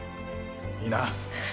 いいな。